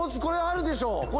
これあるでしょう